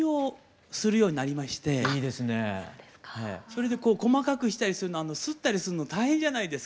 それでこう細かくしたりするのすったりするの大変じゃないですか。